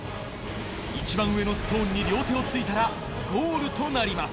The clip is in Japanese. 一番上のストーンに両手をついたら、ゴールとなります。